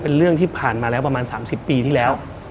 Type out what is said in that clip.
เป็นเรื่องที่ผ่านมาแล้วประมาณ๓๐ปีที่แล้ว